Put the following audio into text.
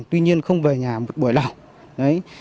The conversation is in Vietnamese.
tuy nhiên không về nhà một buổi nào